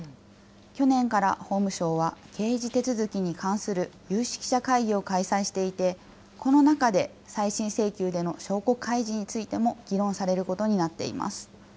去年から法務省は、刑事手続きに関する有識者会議を開催していて、この中で再審請求での証拠開示についても議論されることになっています。